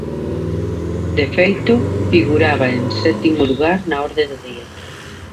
De feito, figuraba en sétimo lugar na orde do día.